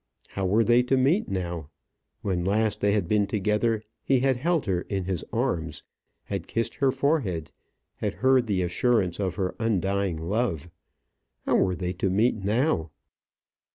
How were they to meet now? When last they had been together, he had held her in his arms, had kissed her forehead, had heard the assurance of her undying love. How were they to meet now?